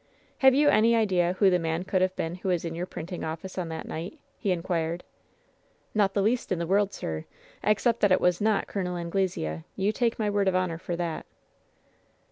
"Have you any idea who the man could have been who was in your printing office on that night ?" he inquired. "Not the least in the world, sir, except that it was not Col. Anglesea. You take my word of honor for that."